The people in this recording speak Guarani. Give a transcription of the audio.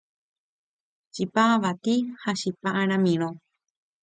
Chipa avati ha chipa aramirõ